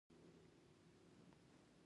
ما وویل چې راځه چې د سیند څخه ماهیان ونیسو.